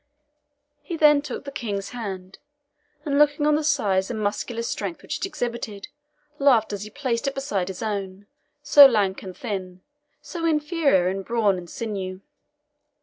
He then took the King's hand, and looking on the size and muscular strength which it exhibited, laughed as he placed it beside his own, so lank and thin, so inferior in brawn and sinew.